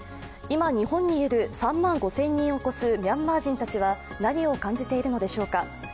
今、日本にいる３万５０００人を超すミャンマー人たちは何を感じているのでしょうか。